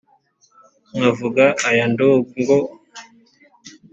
nkavuga aya ndongo